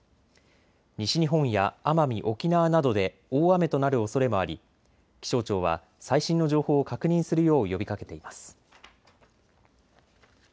西日本や奄美・沖縄などで大雨となるおそれもあり気象庁は最新の情報を確認するよう呼びかけています。